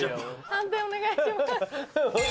判定お願いします。